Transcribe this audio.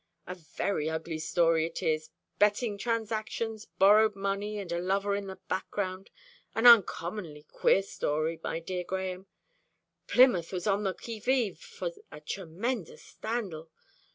A very ugly story it is betting transactions, borrowed money, and a lover in the background. An uncommonly queer story, my dear Grahame. Plymouth was on the qui vive for a tremendous scandal.